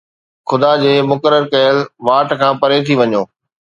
خدا جي مقرر ڪيل واٽ کان پري ٿي وڃو